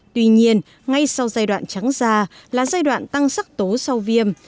tuy nhiên ngay sau giai đoạn trắng da là giai đoạn tăng sắc tố sau viêm